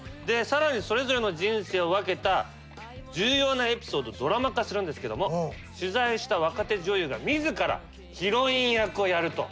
更にそれぞれの人生を分けた重要なエピソードをドラマ化するんですけども取材した若手女優が自らヒロイン役をやると。